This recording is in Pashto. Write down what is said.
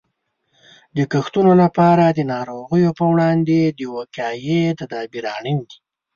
د کښتونو لپاره د ناروغیو په وړاندې د وقایې تدابیر اړین دي.